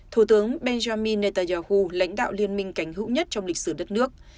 thủ tướng benjamin netanyahu lãnh đạo liên minh cảnh hữu nhất trong lịch sử đất nước